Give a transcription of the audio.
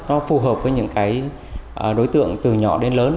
nó phù hợp với những cái đối tượng từ nhỏ đến lớn